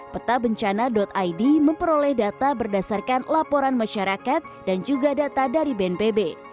petabencana id memperoleh data berdasarkan laporan masyarakat dan juga data dari bnpb